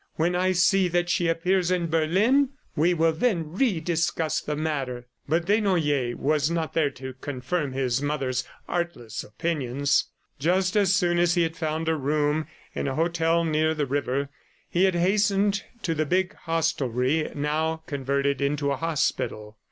... When I see that she appears in Berlin, we will then re discuss the matter." But Desnoyers was not there to confirm his mother's artless opinions. Just as soon as he had found a room in a hotel near the river, he had hastened to the big hostelry, now converted into a hospital.